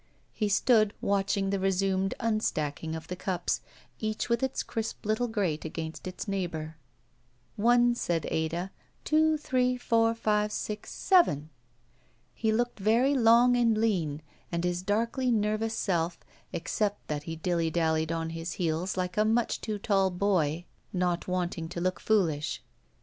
He stood watching the resumed unstaddng of the cups, each with its crisp Uttle grate against its neighbor. "One," said Ada, "two three four five six — seven!" He looked very long and lean and his darkly nervous self, except that he dilly dallied on his heels like a much too tall boy not wanting to look foolish.